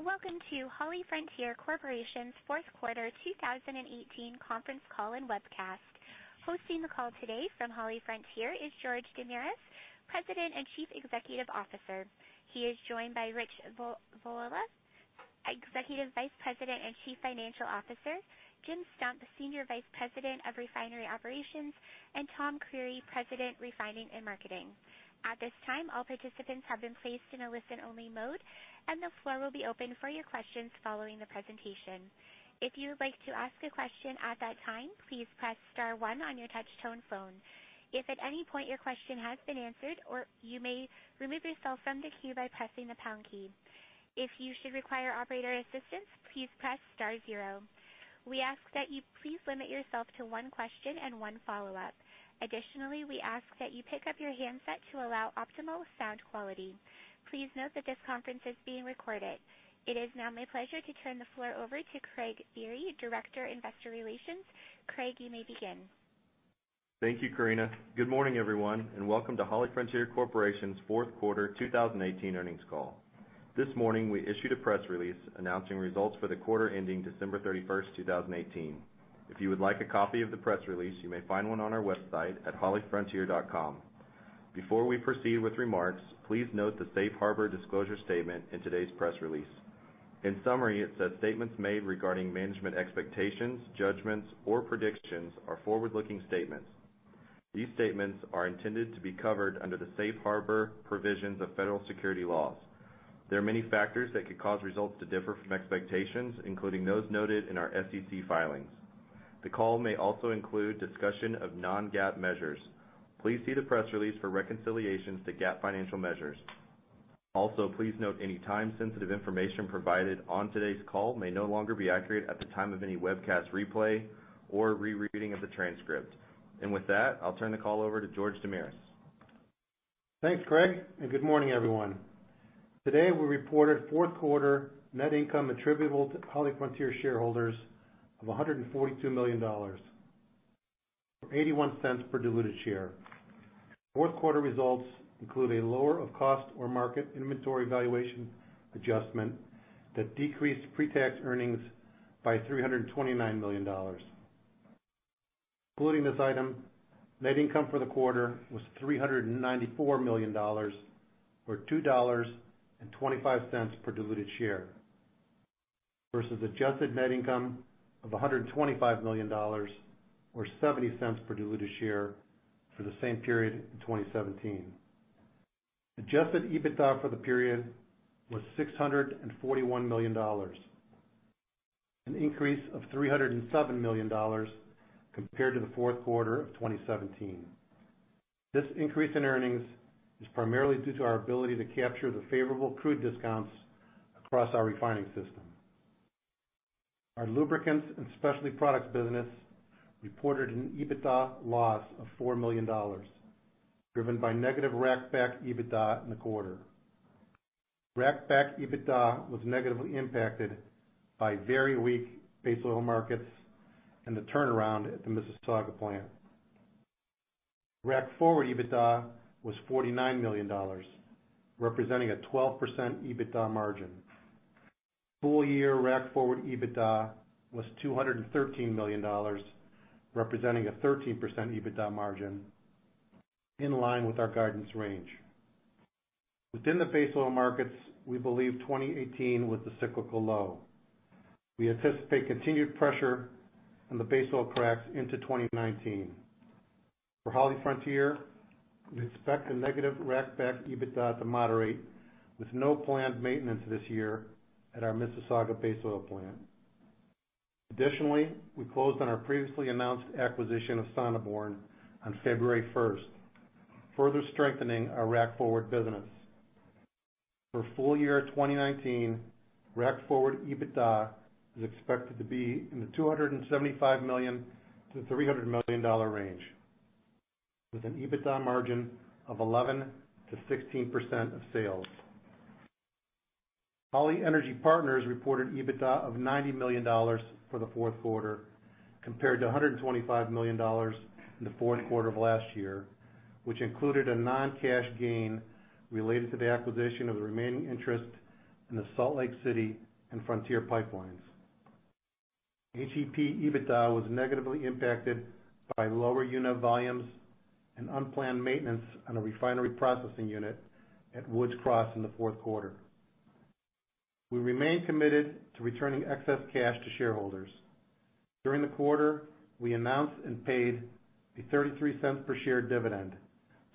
Welcome to HollyFrontier Corporation's fourth quarter 2018 conference call and webcast. Hosting the call today from HollyFrontier is George Damiris, President and Chief Executive Officer. He is joined by Rich Voliva, Executive Vice President and Chief Financial Officer, Jim Stump, Senior Vice President of Refinery Operations, and Tom Creery, President, Refining and Marketing. At this time, all participants have been placed in a listen-only mode. The floor will be open for your questions following the presentation. If you would like to ask a question at that time, please press star one on your touch-tone phone. If at any point your question has been answered or you may remove yourself from the queue by pressing the pound key. If you should require operator assistance, please press star zero. We ask that you please limit yourself to one question and one follow-up. Additionally, we ask that you pick up your handset to allow optimal sound quality. Please note that this conference is being recorded. It is now my pleasure to turn the floor over to Craig Biery, Director, Investor Relations. Craig, you may begin. Thank you, Karina. Good morning, everyone, welcome to HollyFrontier Corporation's fourth quarter 2018 earnings call. This morning, we issued a press release announcing results for the quarter ending December 31st, 2018. If you would like a copy of the press release, you may find one on our website at hollyfrontier.com. Before we proceed with remarks, please note the safe harbor disclosure statement in today's press release. In summary, it says statements made regarding management expectations, judgments, or predictions are forward-looking statements. These statements are intended to be covered under the safe harbor provisions of federal security laws. There are many factors that could cause results to differ from expectations, including those noted in our SEC filings. The call may also include discussion of non-GAAP measures. Please see the press release for reconciliations to GAAP financial measures. Also, please note any time-sensitive information provided on today's call may no longer be accurate at the time of any webcast replay or rereading of the transcript. With that, I'll turn the call over to George Damiris. Thanks, Craig, and good morning, everyone. Today, we reported fourth quarter net income attributable to HollyFrontier shareholders of $142 million, or $0.81 per diluted share. Fourth quarter results include a lower of cost or market inventory valuation adjustment that decreased pre-tax earnings by $329 million. Including this item, net income for the quarter was $394 million, or $2.25 per diluted share versus adjusted net income of $125 million or $0.70 per diluted share for the same period in 2017. Adjusted EBITDA for the period was $641 million, an increase of $307 million compared to the fourth quarter of 2017. This increase in earnings is primarily due to our ability to capture the favorable crude discounts across our refining system. Our lubricants and specialty products business reported an EBITDA loss of $4 million, driven by negative rack back EBITDA in the quarter. Rack back EBITDA was negatively impacted by very weak base oil markets and the turnaround at the Mississauga plant. Rack forward EBITDA was $49 million, representing a 12% EBITDA margin. Full-year rack forward EBITDA was $213 million, representing a 13% EBITDA margin in line with our guidance range. Within the base oil markets, we believe 2018 was the cyclical low. We anticipate continued pressure on the base oil cracks into 2019. For HollyFrontier, we expect the negative rack back EBITDA to moderate with no planned maintenance this year at our Mississauga base oil plant. Additionally, we closed on our previously announced acquisition of Sonneborn on February 1, further strengthening our rack forward business. For full-year 2019, rack forward EBITDA is expected to be in the $275 million to $300 million range, with an EBITDA margin of 11% to 16% of sales. Holly Energy Partners reported EBITDA of $90 million for the fourth quarter, compared to $125 million in the fourth quarter of last year, which included a non-cash gain related to the acquisition of the remaining interest in the Salt Lake City and Frontier pipelines. HEP EBITDA was negatively impacted by lower unit volumes and unplanned maintenance on a refinery processing unit at Woods Cross in the fourth quarter. We remain committed to returning excess cash to shareholders. During the quarter, we announced and paid a $0.33 per share dividend,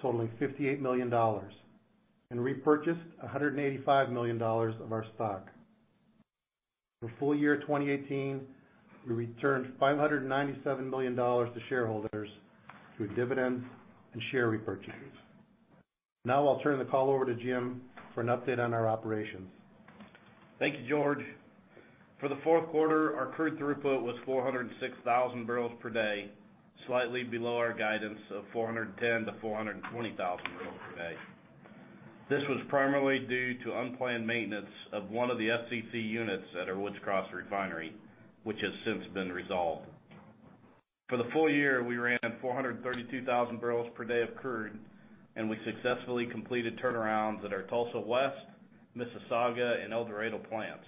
totaling $58 million, and repurchased $185 million of our stock. For full-year 2018, we returned $597 million to shareholders through dividends and share repurchases. Now I'll turn the call over to Jim for an update on our operations. Thank you, George. For the fourth quarter, our crude throughput was 406,000 barrels per day, slightly below our guidance of 410,000 to 420,000 barrels per day. This was primarily due to unplanned maintenance of one of the FCC units at our Woods Cross refinery, which has since been resolved. For the full year, we ran 432,000 barrels per day of crude, and we successfully completed turnarounds at our Tulsa West, Mississauga, and El Dorado plants.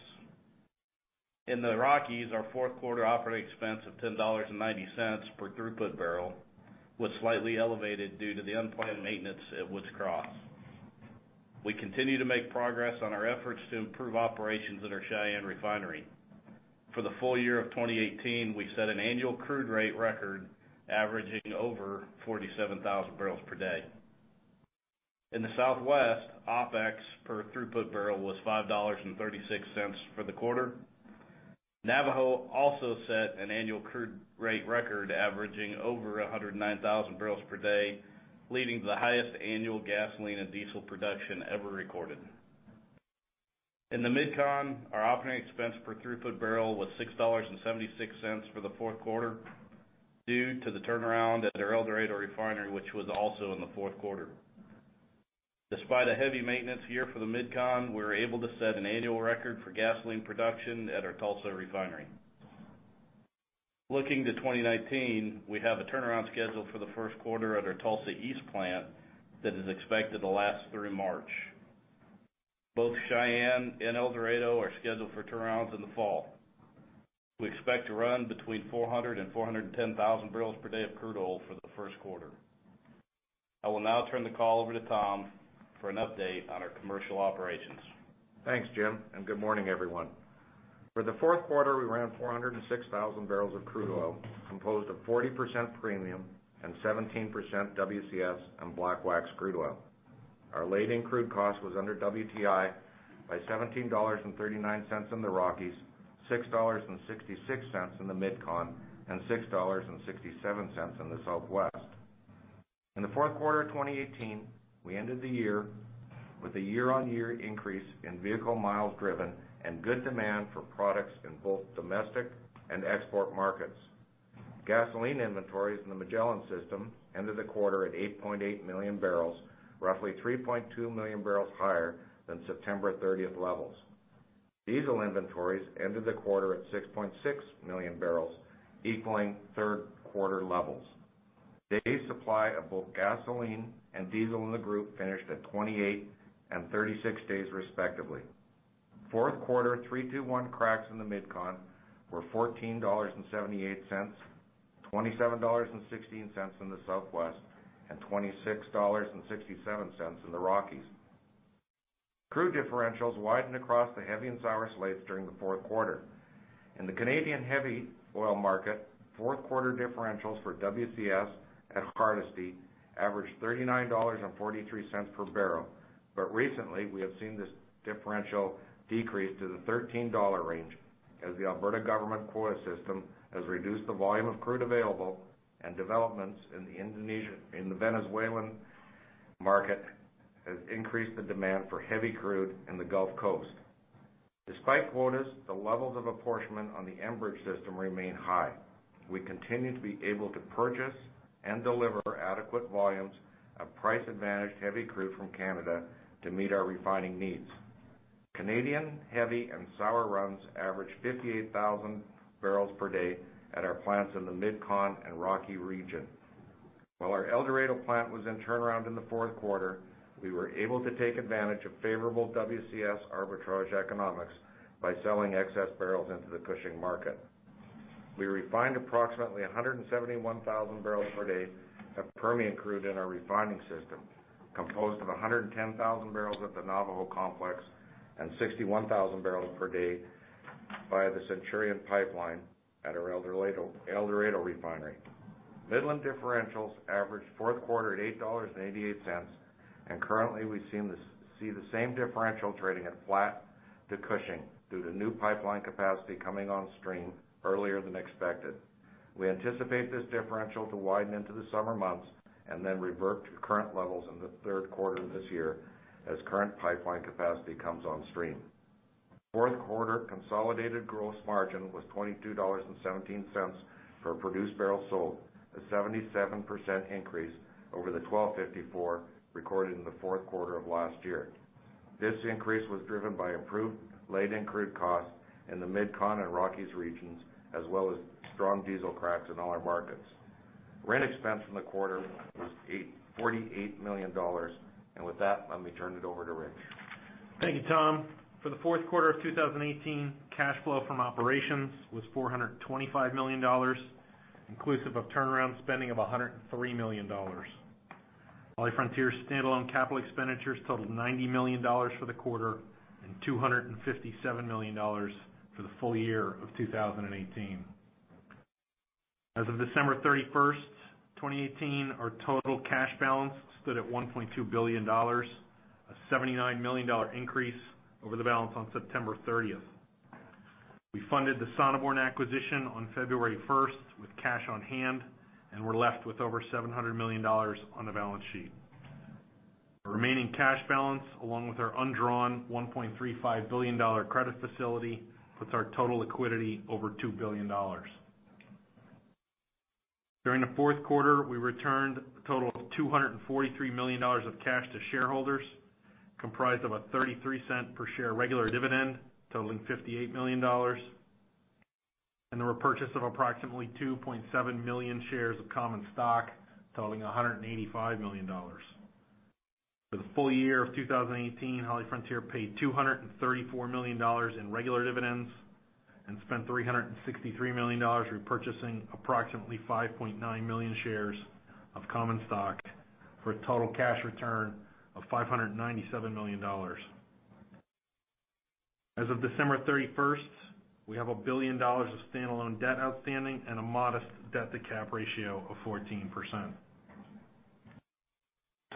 In the Rockies, our fourth quarter operating expense of $10.90 per throughput barrel was slightly elevated due to the unplanned maintenance at Woods Cross. We continue to make progress on our efforts to improve operations at our Cheyenne refinery. For the full year of 2018, we set an annual crude rate record averaging over 47,000 barrels per day. In the Southwest, OPEX per throughput barrel was $5.36 for the quarter. Navajo also set an annual crude rate record averaging over 109,000 barrels per day, leading the highest annual gasoline and diesel production ever recorded. In the MidCon, our operating expense per throughput barrel was $6.76 for the fourth quarter, due to the turnaround at our El Dorado refinery, which was also in the fourth quarter. Despite a heavy maintenance year for the MidCon, we were able to set an annual record for gasoline production at our Tulsa refinery. Looking to 2019, we have a turnaround schedule for the first quarter at our Tulsa East plant that is expected to last through March. Both Cheyenne and El Dorado are scheduled for turnarounds in the fall. We expect to run between 400,000 and 410,000 barrels per day of crude oil for the first quarter. I will now turn the call over to Tom for an update on our commercial operations. Thanks, Jim, good morning, everyone. For the fourth quarter, we ran 406,000 barrels of crude oil, composed of 40% premium and 17% WCS and black wax crude oil. Our laid-in crude cost was under WTI by $17.39 in the Rockies, $6.66 in the MidCon, and $6.67 in the Southwest. In the fourth quarter of 2018, we ended the year with a year-on-year increase in vehicle miles driven and good demand for products in both domestic and export markets. Gasoline inventories in the Magellan system ended the quarter at 8.8 million barrels, roughly 3.2 million barrels higher than September 30th levels. Diesel inventories ended the quarter at 6.6 million barrels, equaling third quarter levels. Days supply of both gasoline and diesel in the group finished at 28 and 36 days respectively. Fourth quarter 3-2-1 cracks in the MidCon were $14.78, $27.16 in the Southwest, and $26.67 in the Rockies. Crude differentials widened across the heavy and sour slates during the fourth quarter. In the Canadian heavy oil market, fourth quarter differentials for WCS at Hardisty averaged $39.43 per barrel. Recently, we have seen this differential decrease to the $13 range as the Alberta government quota system has reduced the volume of crude available and developments in the Venezuelan market has increased the demand for heavy crude in the Gulf Coast. Despite quotas, the levels of apportionment on the Enbridge system remain high. We continue to be able to purchase and deliver adequate volumes of price-advantaged heavy crude from Canada to meet our refining needs. Canadian heavy and sour runs averaged 58,000 barrels per day at our plants in the MidCon and Rocky region. While our El Dorado plant was in turnaround in the fourth quarter, we were able to take advantage of favorable WCS arbitrage economics by selling excess barrels into the Cushing market. We refined approximately 171,000 barrels per day of Permian crude in our refining system, composed of 110,000 barrels at the Navajo complex and 61,000 barrels per day via the Centurion pipeline at our El Dorado refinery. Midland differentials averaged fourth quarter at $8.88. Currently, we see the same differential trading at flat to Cushing due to new pipeline capacity coming on stream earlier than expected. We anticipate this differential to widen into the summer months and then revert to current levels in the third quarter of this year as current pipeline capacity comes on stream. Fourth quarter consolidated gross margin was $22.17 per produced barrel sold, a 77% increase over the $12.54 recorded in the fourth quarter of last year. This increase was driven by improved laid-in crude costs in the MidCon and Rockies regions, as well as strong diesel cracks in all our markets. RIN expense in the quarter was $48 million. With that, let me turn it over to Rich. Thank you, Tom. For the fourth quarter of 2018, cash flow from operations was $425 million, inclusive of turnaround spending of $103 million. HollyFrontier standalone capital expenditures totaled $90 million for the quarter and $257 million for the full year of 2018. As of December 31st, 2018, our total cash balance stood at $1.2 billion, a $79 million increase over the balance on September 30th. We funded the Sonneborn acquisition on February 1st with cash on hand and were left with over $700 million on the balance sheet. The remaining cash balance, along with our undrawn $1.35 billion credit facility, puts our total liquidity over $2 billion. During the fourth quarter, we returned a total of $243 million of cash to shareholders. Comprised of a $0.33 per share regular dividend totaling $58 million, and the repurchase of approximately 2.7 million shares of common stock totaling $185 million. For the full year of 2018, HollyFrontier paid $234 million in regular dividends and spent $363 million repurchasing approximately 5.9 million shares of common stock for a total cash return of $597 million. As of December 31st, we have $1 billion of standalone debt outstanding and a modest debt-to-cap ratio of 14%.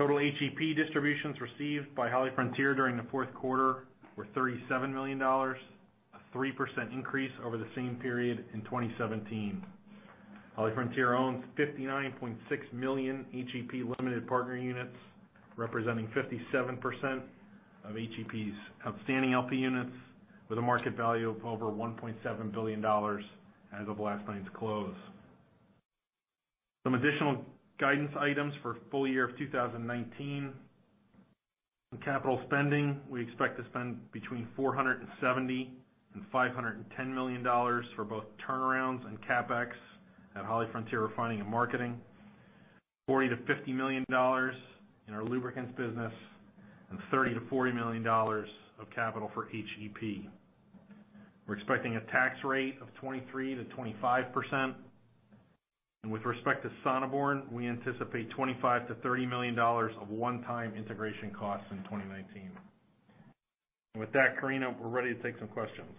Total HEP distributions received by HollyFrontier during the fourth quarter were $37 million, a 3% increase over the same period in 2017. HollyFrontier owns 59.6 million HEP limited partner units, representing 57% of HEP's outstanding LP units with a market value of over $1.7 billion as of last night's close. Some additional guidance items for full year of 2019. In capital spending, we expect to spend between $470 million and $510 million for both turnarounds and CapEx at HollyFrontier refining and marketing, $40 million-$50 million in our lubricants business, and $30 million-$40 million of capital for HEP. We're expecting a tax rate of 23%-25%. With respect to Sonneborn, we anticipate $25 million-$30 million of one-time integration costs in 2019. With that, Karina, we're ready to take some questions.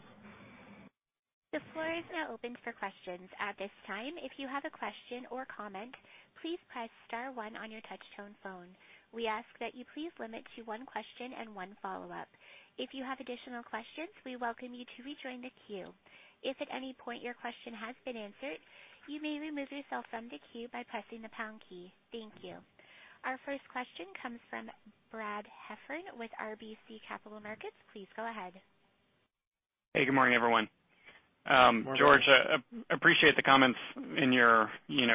The floor is now open for questions. At this time, if you have a question or comment, please press *1 on your touch-tone phone. We ask that you please limit to one question and one follow-up. If you have additional questions, we welcome you to rejoin the queue. If at any point your question has been answered, you may remove yourself from the queue by pressing the # key. Thank you. Our first question comes from Brad Heffern with RBC Capital Markets. Please go ahead. Hey, good morning, everyone. Good morning. George, appreciate the comments in your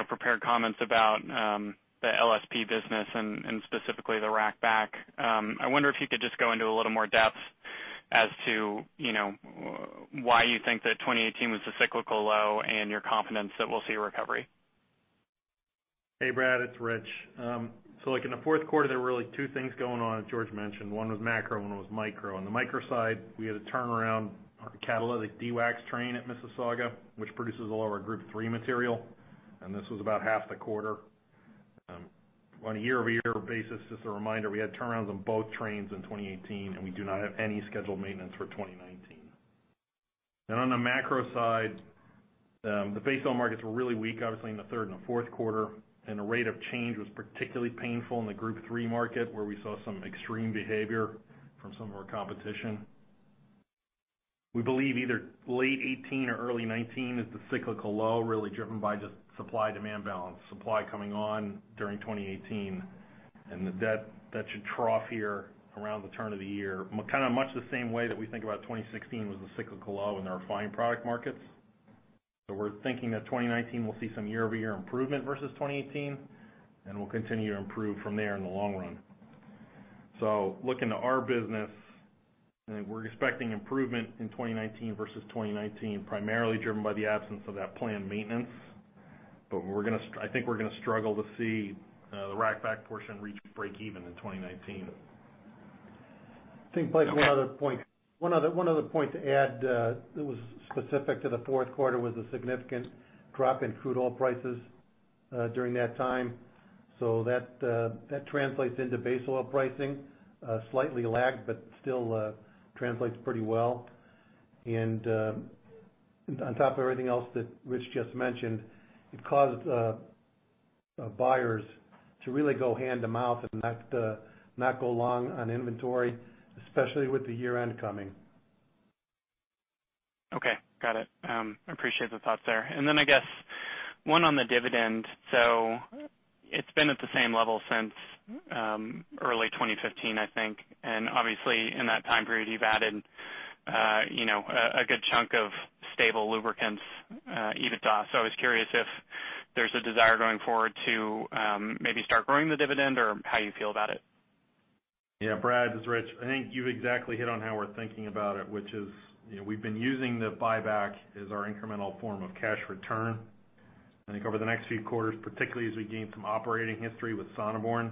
prepared comments about the LSP business and specifically the rack back. I wonder if you could just go into a little more depth as to why you think that 2018 was a cyclical low and your confidence that we'll see a recovery. Hey, Brad, it's Rich. In the fourth quarter, there were really two things going on, as George mentioned. One was macro and one was micro. On the micro side, we had a turnaround on our catalytic dewaxing train at Mississauga, which produces all of our Group III material, and this was about half the quarter. On a year-over-year basis, just a reminder, we had turnarounds on both trains in 2018, and we do not have any scheduled maintenance for 2019. On the macro side, the base oil markets were really weak, obviously in the third and the fourth quarter, and the rate of change was particularly painful in the Group III market, where we saw some extreme behavior from some of our competition. We believe either late 2018 or early 2019 is the cyclical low, really driven by just supply-demand balance. Supply coming on during 2018, that should trough here around the turn of the year. Much the same way that we think about 2016 was the cyclical low in our refined product markets. We're thinking that 2019 will see some year-over-year improvement versus 2018, and we'll continue to improve from there in the long run. Looking to our business, we're expecting improvement in 2019 versus 2019, primarily driven by the absence of that planned maintenance. I think we're going to struggle to see the rack back portion reach break even in 2019. I think, Brad, one other point to add that was specific to the fourth quarter was the significant drop in crude oil prices during that time. That translates into base oil pricing. Slightly lagged, but still translates pretty well. On top of everything else that Rich just mentioned, it caused buyers to really go hand-to-mouth and not go long on inventory, especially with the year-end coming. Okay, got it. Appreciate the thoughts there. I guess one on the dividend. It's been at the same level since early 2015, I think. Obviously, in that time period, you've added a good chunk of stable lubricants EBITDA. I was curious if there's a desire going forward to maybe start growing the dividend or how you feel about it. Brad, this is Rich. I think you've exactly hit on how we're thinking about it, which is we've been using the buyback as our incremental form of cash return. I think over the next few quarters, particularly as we gain some operating history with Sonneborn,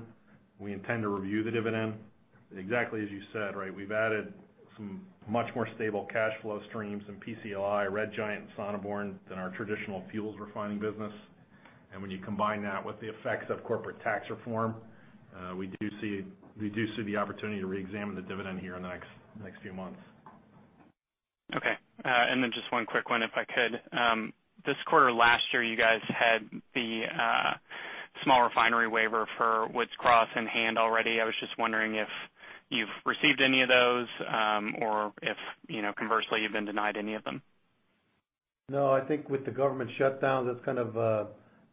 we intend to review the dividend. Exactly as you said, right? We've added some much more stable cash flow streams in PCLI, Red Giant, and Sonneborn than our traditional fuels refining business. When you combine that with the effects of corporate tax reform, we do see the opportunity to reexamine the dividend here in the next few months. Okay. Then just one quick one, if I could. This quarter last year, you guys had the small refinery waiver for Woods Cross in hand already. I was just wondering if you've received any of those or if conversely, you've been denied any of them. No, I think with the government shutdown, that's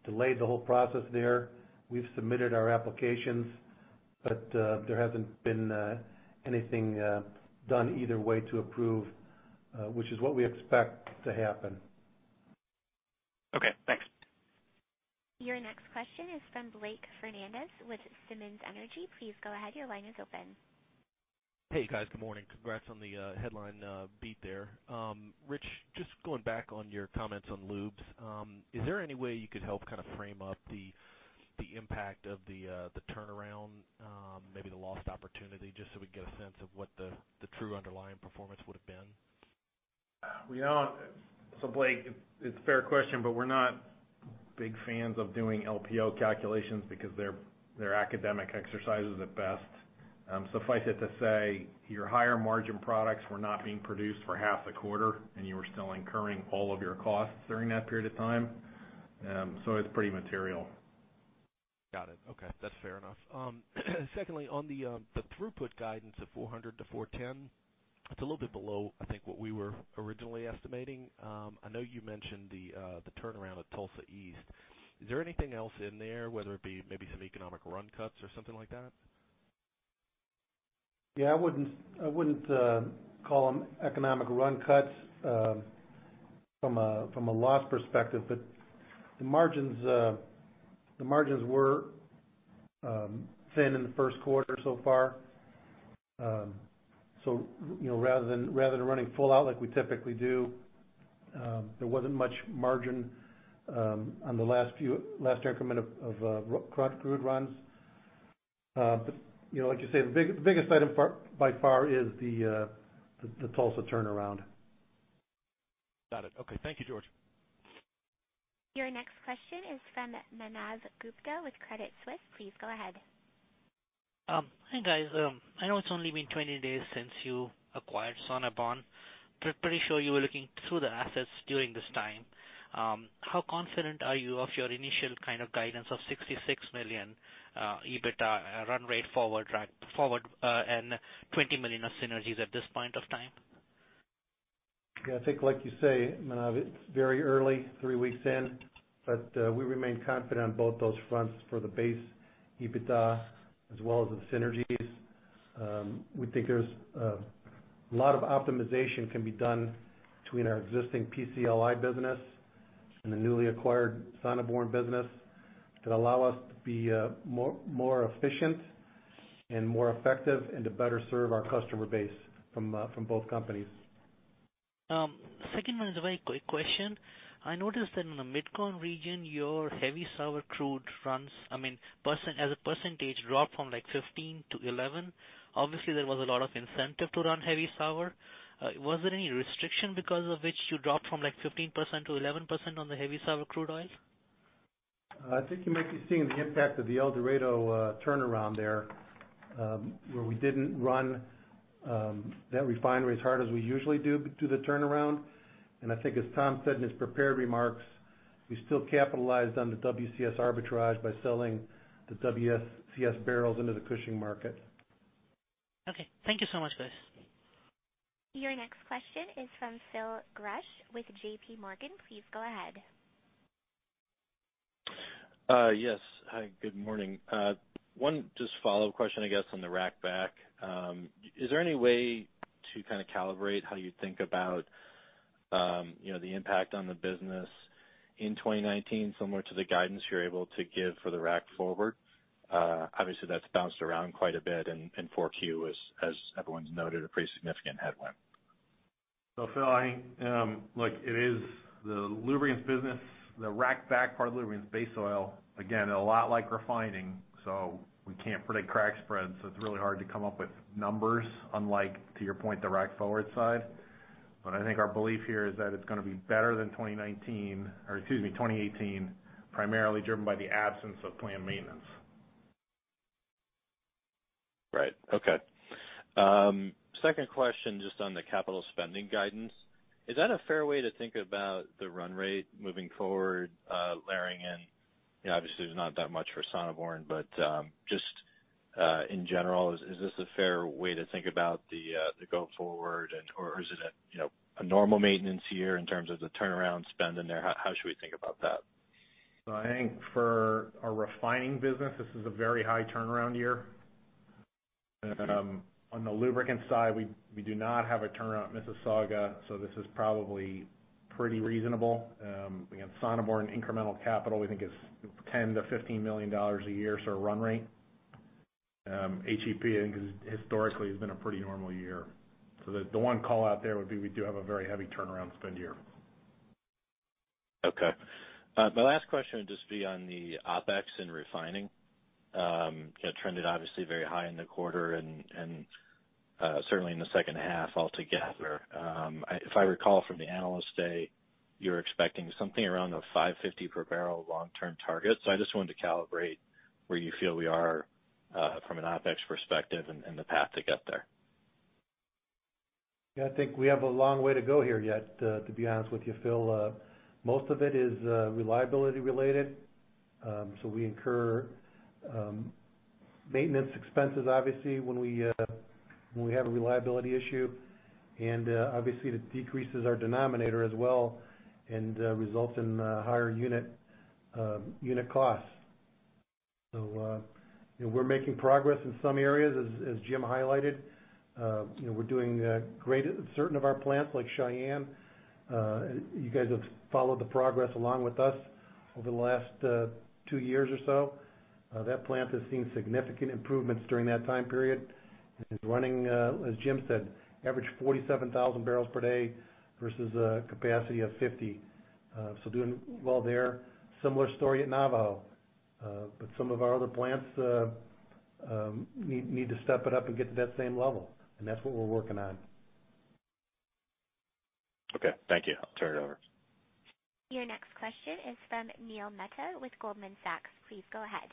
delayed the whole process there. We've submitted our applications, but there hasn't been anything done either way to approve, which is what we expect to happen. Thanks. Your next question is from Blake Fernandez with Simmons Energy. Please go ahead, your line is open. Hey, guys. Good morning. Congrats on the headline beat there. Rich, just going back on your comments on lubes. Is there any way you could help frame up the impact of the turnaround, maybe the lost opportunity, just so we get a sense of what the true underlying performance would've been? Blake, it's a fair question, but we're not big fans of doing LPO calculations because they're academic exercises at best. Suffice it to say, your higher margin products were not being produced for half the quarter, and you were still incurring all of your costs during that period of time. It's pretty material. Got it. Okay. That's fair enough. Secondly, on the throughput guidance of 400-410, it's a little bit below, I think, what we were originally estimating. I know you mentioned the turnaround at Tulsa East. Is there anything else in there, whether it be maybe some economic run cuts or something like that? Yeah, I wouldn't call them economic run cuts from a loss perspective, the margins were thin in the first quarter so far. Rather than running full out like we typically do, there wasn't much margin on the last increment of crude runs. Like you say, the biggest item by far is the Tulsa turnaround. Got it. Okay. Thank you, George. Your next question is from Manav Gupta with Credit Suisse. Please go ahead. Hi, guys. I know it's only been 20 days since you acquired Sonneborn. Pretty sure you were looking through the assets during this time. How confident are you of your initial guidance of $66 million EBITDA run rate forward, and $20 million of synergies at this point of time? Yeah, I think like you say, Manav, it's very early, 3 weeks in, but we remain confident on both those fronts for the base EBITDA as well as the synergies. We think a lot of optimization can be done between our existing PCLI business and the newly acquired Sonneborn business that allow us to be more efficient and more effective and to better serve our customer base from both companies. Second one is a very quick question. I noticed that in the MidCon region, your heavy sour crude runs, as a percentage, dropped from 15 to 11. Obviously, there was a lot of incentive to run heavy sour. Was there any restriction because of which you dropped from 15%-11% on the heavy sour crude oil? I think you might be seeing the impact of the El Dorado turnaround there, where we didn't run that refinery as hard as we usually do through the turnaround. I think as Tom said in his prepared remarks, we still capitalized on the WCS arbitrage by selling the WCS barrels into the Cushing market. Okay. Thank you so much, guys. Your next question is from Phil Gresh with J.P. Morgan. Please go ahead. Yes. Hi, good morning. One just follow-up question, I guess, on the rack back. Is there any way to calibrate how you think about the impact on the business in 2019, similar to the guidance you're able to give for the rack forward? Obviously, that's bounced around quite a bit in 4Q as everyone's noted, a pretty significant headwind. Phil, the rack back part of the lubricants base oil, again, a lot like refining, we can't predict crack spread, it's really hard to come up with numbers, unlike, to your point, the rack forward side. I think our belief here is that it's going to be better than 2019, or excuse me, 2018, primarily driven by the absence of planned maintenance. Right. Okay. Second question, just on the capital spending guidance. Is that a fair way to think about the run rate moving forward, layering in, obviously there's not that much for Sonneborn, just in general, is this a fair way to think about the go forward or is it a normal maintenance year in terms of the turnaround spend in there? How should we think about that? I think for our refining business, this is a very high turnaround year. On the lubricant side, we do not have a turnaround at Mississauga, this is probably pretty reasonable. Again, Sonneborn incremental capital, we think is $10 million-$15 million a year, run rate. HEP, I think historically has been a pretty normal year. The one call-out there would be we do have a very heavy turnaround spend year. Okay. My last question would just be on the OpEx and refining. It trended obviously very high in the quarter and certainly in the second half altogether. If I recall from the Analyst Day, you were expecting something around the $550 per barrel long-term target. I just wanted to calibrate where you feel we are from an OpEx perspective and the path to get there. Yeah, I think we have a long way to go here yet, to be honest with you, Phil. Most of it is reliability related. We incur maintenance expenses obviously when we have a reliability issue, and obviously it decreases our denominator as well and results in higher unit costs. We're making progress in some areas, as Jim highlighted. We're doing great at certain of our plants like Cheyenne. You guys have followed the progress along with us over the last two years or so. That plant has seen significant improvements during that time period and is running, as Jim said, average 47,000 barrels per day versus a capacity of 50. Doing well there. Similar story at Navajo. Some of our other plants need to step it up and get to that same level, and that's what we're working on. Okay, thank you. I'll turn it over. Your next question is from Neil Mehta with Goldman Sachs. Please go ahead.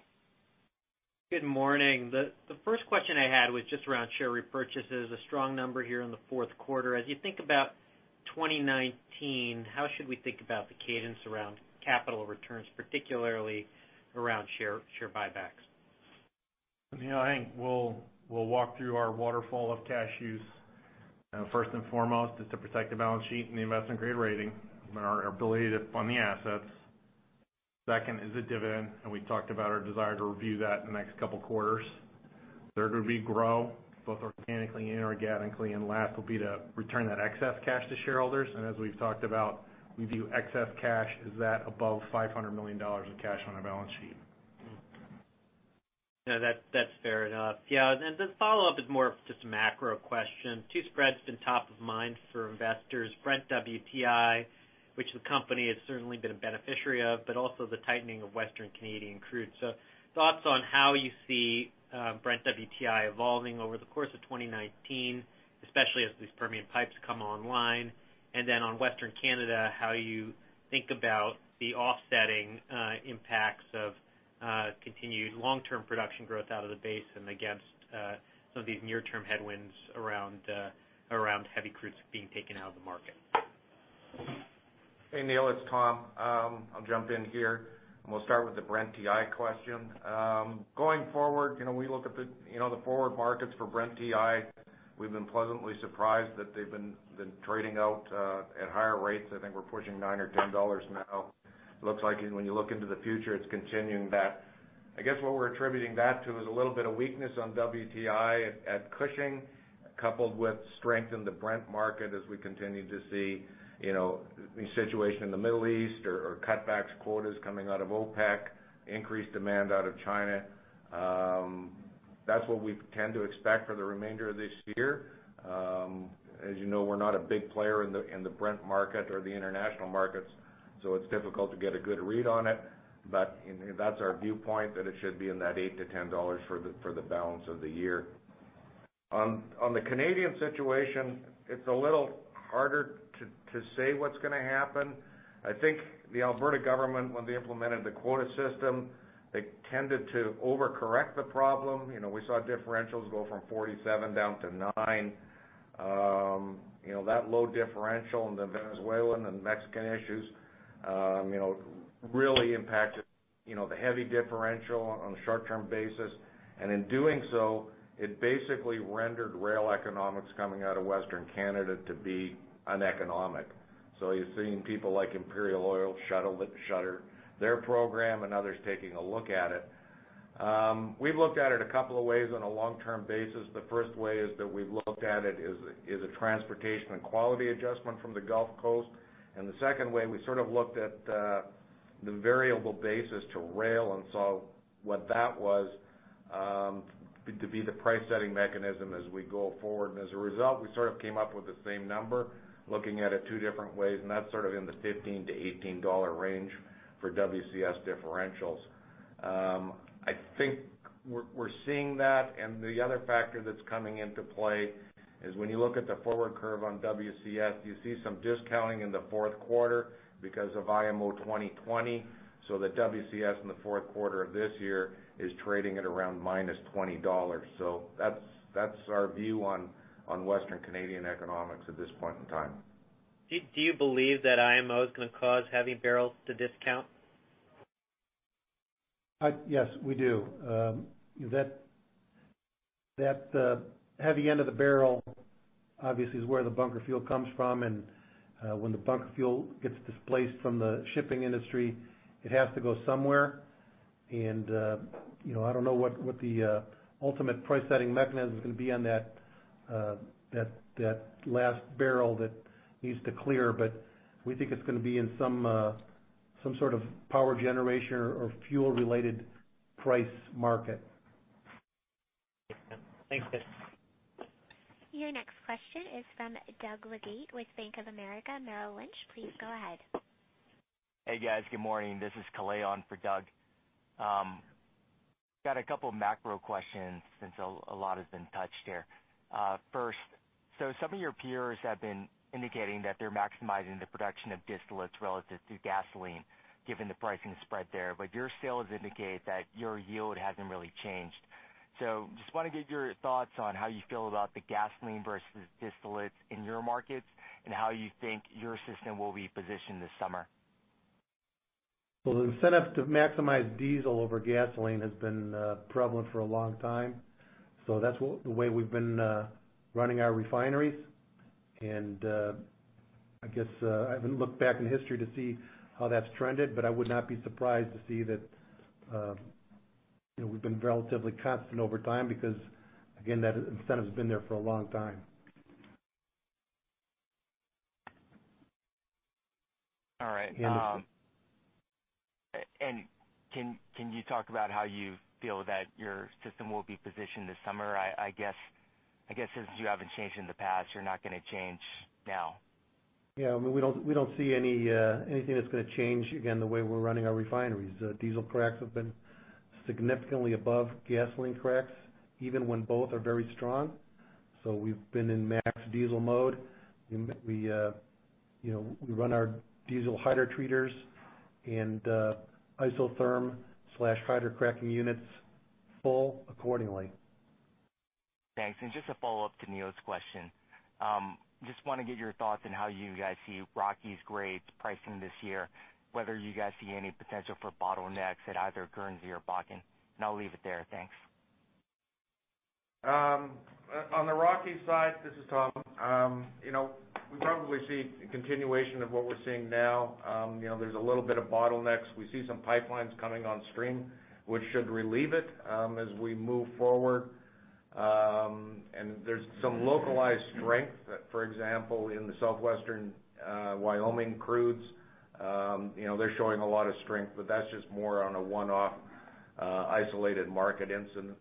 Good morning. The first question I had was just around share repurchases, a strong number here in the fourth quarter. As you think about 2019, how should we think about the cadence around capital returns, particularly around share buybacks? Neil, I think we'll walk through our waterfall of cash use. First and foremost is to protect the balance sheet and the investment-grade rating and our ability to fund the assets. Second is the dividend, and we talked about our desire to review that in the next couple of quarters. Third would be grow, both organically and inorganically. Last will be to return that excess cash to shareholders. As we've talked about, we view excess cash as that above $500 million of cash on our balance sheet. No, that's fair enough. The follow-up is more of just a macro question. Two spreads been top of mind for investors, Brent-WTI, which the company has certainly been a beneficiary of, but also the tightening of Western Canadian crude. Thoughts on how you see Brent-WTI evolving over the course of 2019, especially as these Permian pipes come online. On Western Canada, how you think about the offsetting impacts of continued long-term production growth out of the base and against some of these near-term headwinds around heavy crudes being taken out of the market. Hey, Neil, it's Tom. I'll jump in here, and we'll start with the Brent-WTI question. Going forward, we look at the forward markets for Brent-WTI. We've been pleasantly surprised that they've been trading out at higher rates. I think we're pushing $9 or $10 now. Looks like when you look into the future, it's continuing that. I guess what we're attributing that to is a little bit of weakness on WTI at Cushing, coupled with strength in the Brent market as we continue to see the situation in the Middle East or cutback quotas coming out of OPEC, increased demand out of China. That's what we tend to expect for the remainder of this year. As you know, we're not a big player in the Brent market or the international markets, so it's difficult to get a good read on it. That's our viewpoint, that it should be in that $8-$10 for the balance of the year. On the Canadian situation, it's a little harder to say what's going to happen. I think the Alberta government, when they implemented the quota system, they tended to overcorrect the problem. We saw differentials go from 47 down to 9. That low differential in the Venezuelan and Mexican issues really impacted the heavy differential on a short-term basis. In doing so, it basically rendered rail economics coming out of Western Canada to be uneconomic. You're seeing people like Imperial Oil shutter their program and others taking a look at it. We've looked at it a couple of ways on a long-term basis. The first way is that we've looked at it is a transportation and quality adjustment from the Gulf Coast. The second way, I sort of looked at the variable basis to rail and saw what that was to be the price-setting mechanism as we go forward. As a result, I sort of came up with the same number, looking at it two different ways, and that's sort of in the $15-$18 range for WCS differentials. I think we're seeing that, and the other factor that's coming into play is when you look at the forward curve on WCS, you see some discounting in the fourth quarter because of IMO 2020. The WCS in the fourth quarter of this year is trading at around -$20. That's our view on Western Canadian economics at this point in time. Do you believe that IMO is going to cause heavy barrels to discount? Yes, we do. That heavy end of the barrel obviously is where the bunker fuel comes from, and when the bunker fuel gets displaced from the shipping industry, it has to go somewhere. I don't know what the ultimate price-setting mechanism is going to be on that last barrel that needs to clear, but we think it's going to be in some sort of power generation or fuel-related price market. Thanks, guys. Your next question is from Doug Leggate with Bank of America Merrill Lynch. Please go ahead. Hey, guys. Good morning. This is Kalei for Doug. First, some of your peers have been indicating that they're maximizing the production of distillates relative to gasoline, given the pricing spread there, but your sales indicate that your yield hasn't really changed. Just want to get your thoughts on how you feel about the gasoline versus distillates in your markets and how you think your system will be positioned this summer. The setup to maximize diesel over gasoline has been prevalent for a long time. That's the way we've been running our refineries. And I guess I haven't looked back in history to see how that's trended, but I would not be surprised to see that we've been relatively constant over time, because again, that incentive's been there for a long time. All right. Anderson. Can you talk about how you feel that your system will be positioned this summer? I guess, since you haven't changed in the past, you're not going to change now. Yeah, we don't see anything that's going to change, again, the way we're running our refineries. Diesel cracks have been significantly above gasoline cracks, even when both are very strong. We've been in max diesel mode. We run our diesel hydrotreaters and isomerization/hydrocracking units full accordingly. Thanks. Just a follow-up to Neil's question. Just want to get your thoughts on how you guys see Rockies grades pricing this year, whether you guys see any potential for bottlenecks at either Guernsey or Bakken. I'll leave it there. Thanks. On the Rockies side, this is Tom. We probably see a continuation of what we're seeing now. There's a little bit of bottlenecks. We see some pipelines coming on stream, which should relieve it as we move forward. There's some localized strength, for example, in the Southwestern Wyoming crudes. They're showing a lot of strength, but that's just more on a one-off isolated market instance.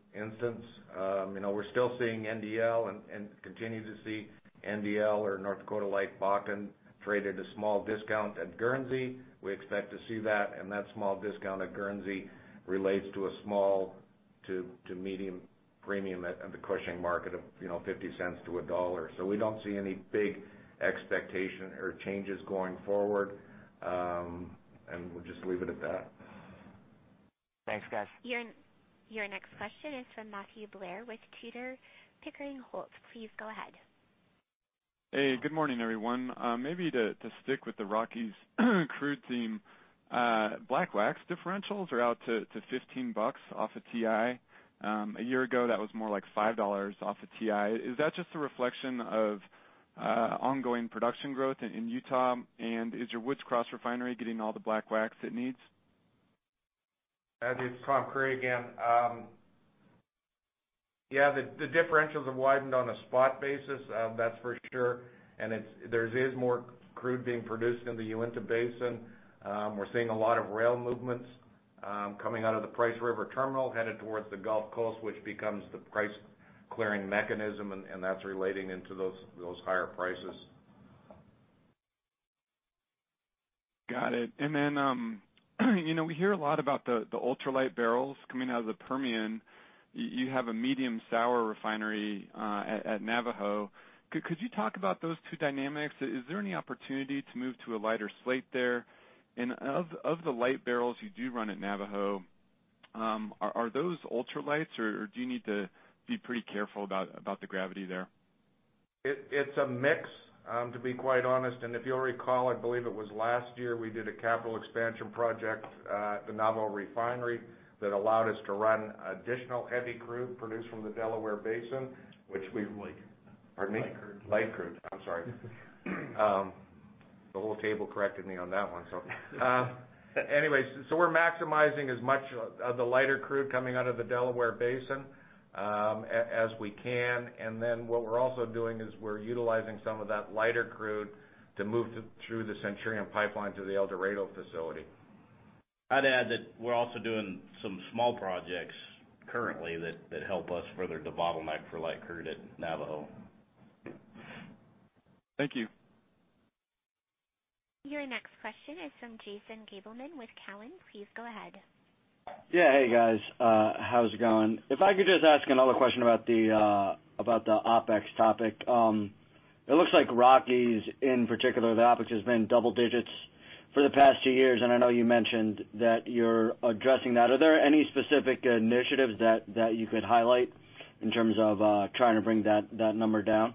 We're still seeing NDL and continue to see NDL or North Dakota-like Bakken traded a small discount at Guernsey. We expect to see that, and that small discount at Guernsey relates to a small to medium premium at the Cushing market of $0.50 to $1. We don't see any big expectation or changes going forward. We'll just leave it at that. Thanks, guys. Your next question is from Matthew Blair with Tudor, Pickering, Holt. Please go ahead. Hey, good morning, everyone. Maybe to stick with the Rockies crude theme. black wax differentials are out to $15 off of WTI. A year ago, that was more like $5 off of WTI. Is that just a reflection of ongoing production growth in Utah? Is your Woods Cross refinery getting all the black wax it needs? Matt, it's Tom Creery again. Yeah, the differentials have widened on a spot basis, that's for sure. There is more crude being produced in the Uinta Basin. We're seeing a lot of rail movements coming out of the Price River terminal headed towards the Gulf Coast, which becomes the price clearing mechanism, and that's relating into those higher prices. Got it. Then, we hear a lot about the ultralight barrels coming out of the Permian. You have a medium sour refinery at Navajo. Could you talk about those two dynamics? Is there any opportunity to move to a lighter slate there? Of the light barrels you do run at Navajo, are those ultralights, or do you need to be pretty careful about the gravity there? It's a mix, to be quite honest. If you'll recall, I believe it was last year, we did a capital expansion project at the Navajo refinery that allowed us to run additional heavy crude produced from the Delaware Basin. Light. Pardon me? Light crude. Light crude. I'm sorry. The whole table corrected me on that one. Anyways, we're maximizing as much of the lighter crude coming out of the Delaware Basin as we can. What we're also doing is we're utilizing some of that lighter crude to move through the Centurion Pipeline to the El Dorado facility. I'd add that we're also doing some small projects currently that help us further the bottleneck for light crude at Navajo. Thank you. Your next question is from Jason Gabelman with Cowen. Please go ahead. Yeah. Hey, guys. How's it going? If I could just ask another question about the OpEx topic. It looks like Rockies, in particular, the OpEx has been double digits for the past two years, and I know you mentioned that you're addressing that. Are there any specific initiatives that you could highlight in terms of trying to bring that number down?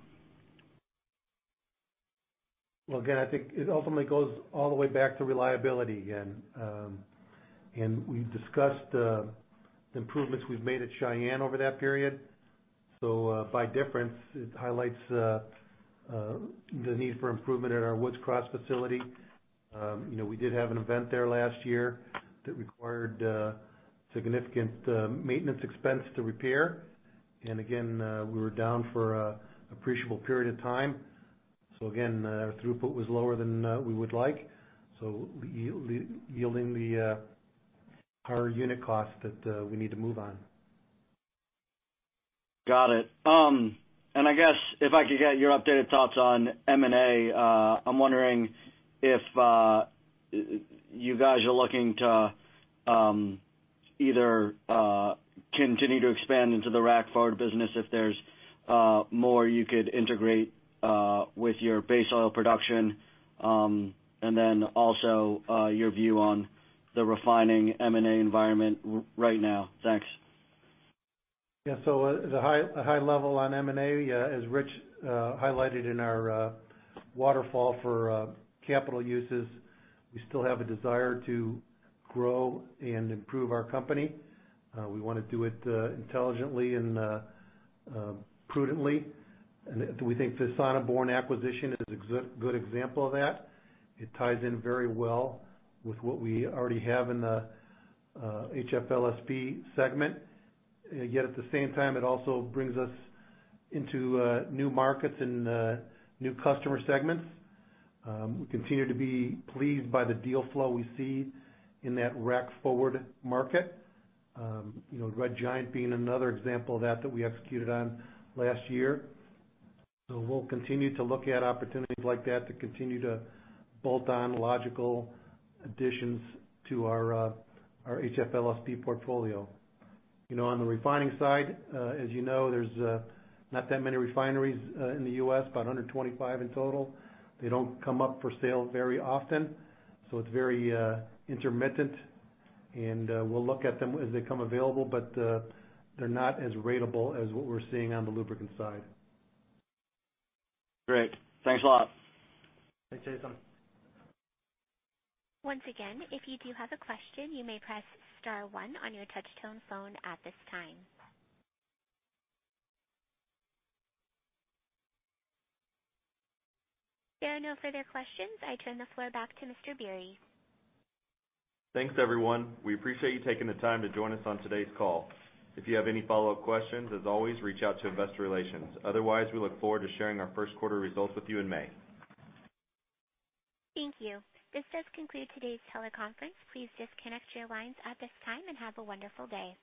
Well, again, I think it ultimately goes all the way back to reliability. We've discussed the improvements we've made at Cheyenne over that period. By difference, it highlights the need for improvement at our Woods Cross facility. We did have an event there last year that required significant maintenance expense to repair. Again, we were down for appreciable period of time. Throughput was lower than we would like. Yielding the higher unit cost that we need to move on. Got it. I guess if I could get your updated thoughts on M&A. I'm wondering if you guys are looking to either continue to expand into the rack forward business, if there's more you could integrate with your base oil production. Then also your view on the refining M&A environment right now. Thanks. Yeah. The high level on M&A, as Rich highlighted in our waterfall for capital uses, we still have a desire to grow and improve our company. We want to do it intelligently and prudently. We think the Sonneborn acquisition is a good example of that. It ties in very well with what we already have in the HFLSP segment. At the same time, it also brings us into new markets and new customer segments. We continue to be pleased by the deal flow we see in that rack forward market. Red Giant being another example of that we executed on last year. We'll continue to look at opportunities like that to continue to bolt on logical additions to our HFLSP portfolio. On the refining side, as you know, there's not that many refineries in the U.S., about 125 in total. They don't come up for sale very often, so it's very intermittent, and we'll look at them as they come available, but they're not as ratable as what we're seeing on the lubricant side. Great. Thanks a lot. Thanks, Jason. Once again, if you do have a question, you may press *1 on your touch tone phone at this time. If there are no further questions, I turn the floor back to Mr. Biery. Thanks, everyone. We appreciate you taking the time to join us on today's call. If you have any follow-up questions, as always, reach out to investor relations. Otherwise, we look forward to sharing our first quarter results with you in May. Thank you. This does conclude today's teleconference. Please disconnect your lines at this time and have a wonderful day.